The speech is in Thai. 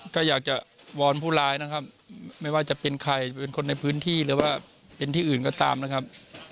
ก็อยากจะวอนผู้ร้ายนะครับไม่ว่าจะเป็นใครเป็นคนในพื้นที่หรือว่าเป็นที่อื่นก็ตามนะครับ